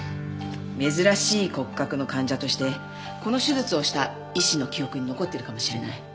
珍しい骨格の患者としてこの手術をした医師の記憶に残っているかもしれない。